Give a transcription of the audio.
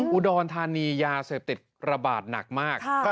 อุดรธานียาเสพติดระบาดหนักมาก